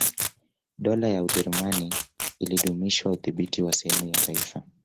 Dola ya Ujerumani ilidumisha udhibiti wa sehemu ya taifa